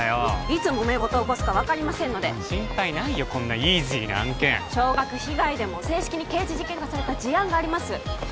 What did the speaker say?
いつもめごと起こすか分かりませんので心配ないよこんなイージーな案件少額被害でも正式に刑事事件化された事案があります